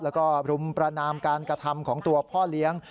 แล้วก็รุมประนามการกระทำของตัวพ่อเลี้ยง